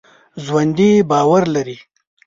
ژوندي باور لري